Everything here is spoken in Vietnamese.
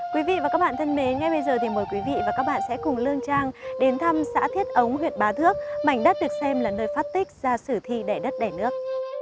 quý vị và các bạn thân mến ngay bây giờ thì mời quý vị và các bạn sẽ cùng lương trang đến thăm xã thiết ống huyện bá thước mảnh đất được xem là nơi phát tích ra sử thi đẻ đất đẻ nước